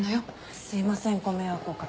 すいませんご迷惑お掛けして。